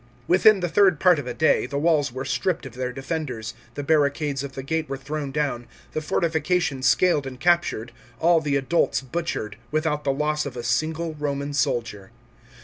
Within the third part of a day, the walls were stripped of their defenders, the barricades of the gate were thrown down, the fortifications scaled and captured, all the adults butchered, without the loss of a single Roman soldier.